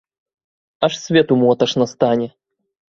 Аж свету моташна стане!